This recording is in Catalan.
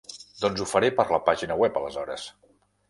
Doncs ho faré per la pàgina web aleshores.